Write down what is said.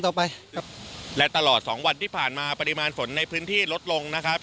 ต่อไปครับและตลอดสองวันที่ผ่านมาปริมาณฝนในพื้นที่ลดลงนะครับ